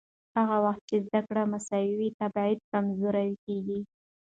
هغه وخت چې زده کړه مساوي وي، تبعیض کمزورې کېږي.